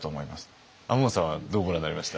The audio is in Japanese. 亞門さんはどうご覧になりました？